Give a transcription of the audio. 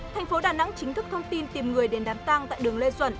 thành phố đà nẵng chính thức thông tin tìm người đến đám tang tại đường lê duẩn